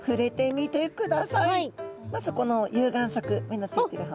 まずこの有眼側目のついてる方。